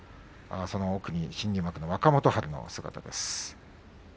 その奥に新入幕の若元春の姿です。